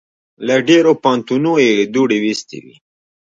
له ډېرو پوهنتونو یې دوړې ویستې وې.